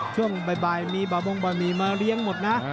ช่วงบ่ายมีบ่าบงบะหมี่มาเลี้ยงหมดนะ